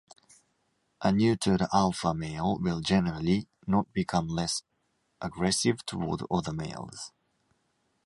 A neutered alpha male will generally not become less aggressive toward other males.